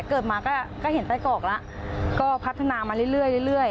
เกิดมาก็เห็นไต้กแล้วก็พัฒนามาเรื่อย